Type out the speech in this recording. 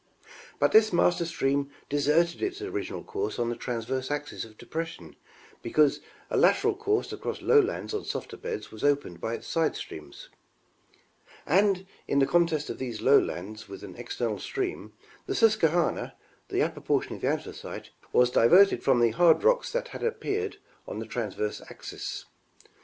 The Rivers and Yalleys of Pennsylvania. 289 But this master stream deserted its original course on the trans verse axis of depression because a lateral course across lowlands on softer beds was opened by its side streams ; and in the contest on these lowlands with an external stream, the Susquehanna, the upper portion of the Anthracite was diverted from the hard rocks that had appeared on the transverse axis.